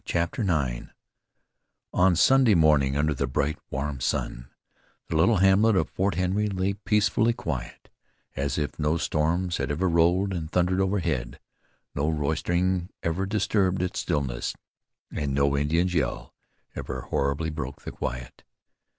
CHAPTER IX On Sunday morning under the bright, warm sun, the little hamlet of Fort Henry lay peacefully quiet, as if no storms had ever rolled and thundered overhead, no roistering ever disturbed its stillness, and no Indian's yell ever horribly broke the quiet.